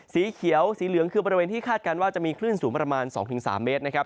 สีเขียวสีเหลืองคือบริเวณที่คาดการณ์ว่าจะมีคลื่นสูงประมาณ๒๓เมตรนะครับ